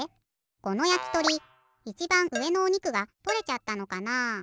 このやきとりいちばんうえのおにくがとれちゃったのかな？